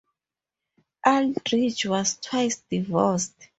Aldridge was twice divorced.